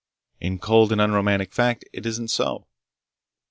In cold and unromantic fact, it isn't so.